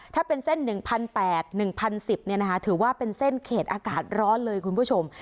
ถ้าเป็นเส้น๑๘๐๐๑๐๑๐ถือว่าเป็นเส้นเขตอากาศร้อนเลยคุณผู้ชม